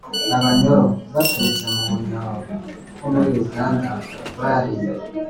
abanyoro (baturutse mu bunyoro ho muri uganda; bari